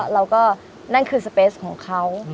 เราก็นั่นคือพื้นที่ของเขา